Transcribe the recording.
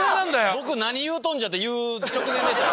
何言うとんじゃ！って言う直前でしたよ。